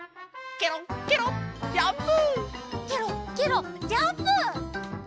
ケロッケロッジャンプ！